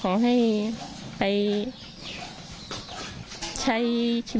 กังฟูเปล่าใหญ่มา